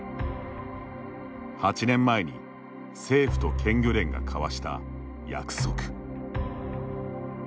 ８年前に政府と県漁連が交わした約束。